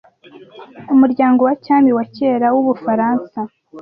Umuryango wa cyami wa kera wubufaransa